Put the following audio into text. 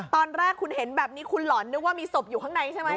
ตอนแรกคุณเห็นแบบนี้คุณหล่อนนึกว่ามีศพอยู่ข้างในใช่ไหม